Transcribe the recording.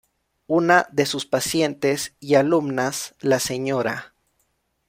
Una de sus pacientes y alumnas, la Sra.